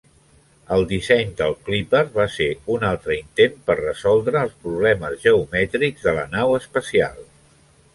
El disseny del Kliper va ser un altre intent per resoldre els problemes geomètrics de la nau espacial.